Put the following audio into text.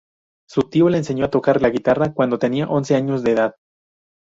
Su tío le enseñó a tocar la guitarra cuándo tenía once años de edad.